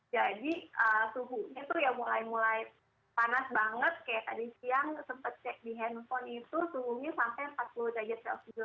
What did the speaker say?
jadi suhunya tuh ya mulai mulai panas banget kayak tadi siang sempet cek di handphone itu suhunya sampai empat puluh derajat celcius